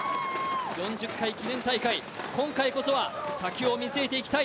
４０回記念大会、今回こそは先を見据えていきたい。